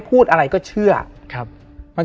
เพื่อที่จะให้แก้วเนี่ยหลอกลวงเค